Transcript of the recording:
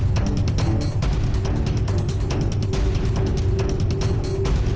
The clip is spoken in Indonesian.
bisa ketuk ketuk jendela